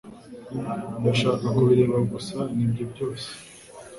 Ndashaka kubireba gusa, nibyo byose.